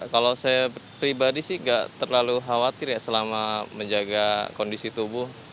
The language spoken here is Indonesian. kalau saya pribadi sih nggak terlalu khawatir ya selama menjaga kondisi tubuh